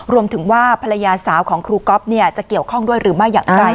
รวมถึงว่าภรรยาสาวของครูก๊อฟจะเกี่ยวข้องด้วยหรือไม่อย่างไร